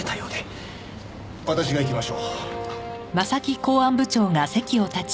私が行きましょう。